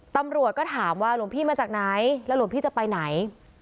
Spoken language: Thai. ตำรวจก็ถามว่าหลวงพี่มาจากไหนแล้วหลวงพี่จะไปไหน